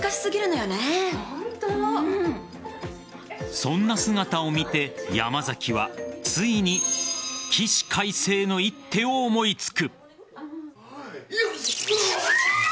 そんな姿を見て山崎はついに起死回生の一手を思いつく。